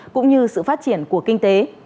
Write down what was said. cũng như sự phát triển của nền kinh tế